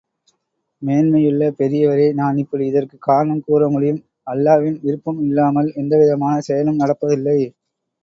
மேன்மையுள்ள பெரியவரே நான் எப்படி இதற்குக் காரணம் கூற முடியும் அல்லாவின் விருப்பம் இல்லாமல் எந்தவிதமான செயலும் நடப்பதில்லை.